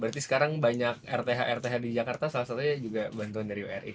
berarti sekarang banyak rth rth di jakarta salah satunya juga bantuan dari wri